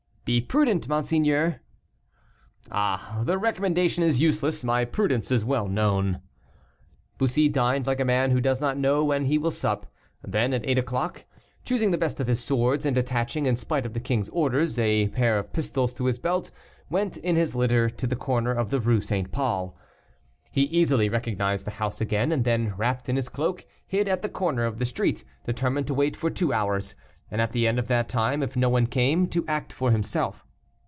"Be prudent, monseigneur." "Ah! the recommendation is useless, my prudence is well known." Bussy dined like a man who does not know when he will sup, then, at eight o'clock, choosing the best of his swords, and attaching, in spite of the king's orders, a pair of pistols to his belt, went in his litter to the corner of the Rue St. Paul. He easily recognized the house again, and then, wrapped in his cloak, hid at the corner of the street, determined to wait for two hours, and at the end of that time, if no one came, to act for himself.